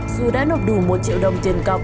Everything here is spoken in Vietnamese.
dù đã nộp đủ một triệu đồng tiền cọc